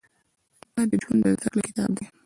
ټپه د ژوند د زده کړې کتاب دی.